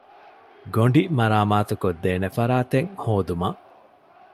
ގޮނޑި މަރާމާތުކޮށްދޭނެ ފަރާތެއް ހޯދުމަށް